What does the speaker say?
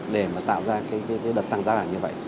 để mà tạo ra cái đợt tăng giá là như vậy